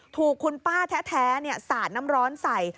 ถูกคุณป้าแท้สาดน้ำร้อนใส่